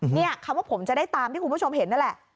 นี่คำว่าผมจะได้ตามที่คุณผู้ชมเห็นนั่นแหละ